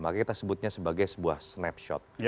maka kita sebutnya sebagai sebuah snapshot